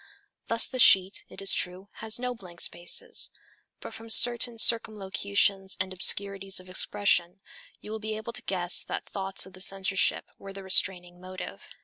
Thus the sheet, it is true, has no blank spaces, but from certain circumlocutions and obscurities of expression you will be able to guess that thoughts of the censorship were the restraining motive.